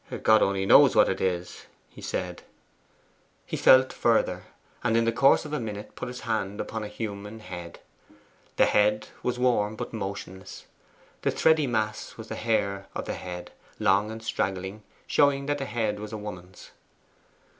'God only knows what it is,' he said. He felt further, and in the course of a minute put his hand upon a human head. The head was warm, but motionless. The thready mass was the hair of the head long and straggling, showing that the head was a woman's.